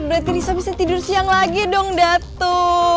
berarti nisa bisa tidur siang lagi dong datu